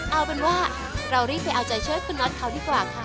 เอาเป็นว่าเรารีบไปเอาใจช่วยคุณน็อตเขาดีกว่าค่ะ